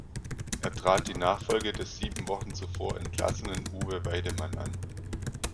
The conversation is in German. Er trat die Nachfolge des sieben Wochen zuvor entlassenen Uwe Weidemann an.